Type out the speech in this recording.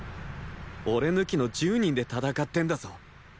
俺抜きの１０人で戦ってんだぞ